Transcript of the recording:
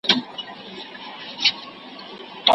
ښار له مځکي سره سم دی هدیره ده